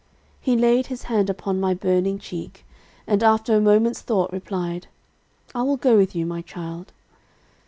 He laid his hand upon my burning cheek, and after a moment's thought, replied, "'I will go with you, my child.'